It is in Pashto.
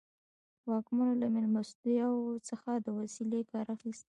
واکمنو له مېلمستیاوو څخه د وسیلې کار اخیست.